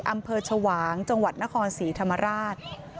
อำเภอชวางจังหวัดนครศรีธรรมราช